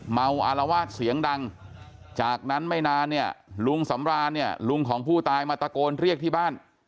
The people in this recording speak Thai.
อารวาสเสียงดังจากนั้นไม่นานเนี่ยลุงสำรานเนี่ยลุงของผู้ตายมาตะโกนเรียกที่บ้าน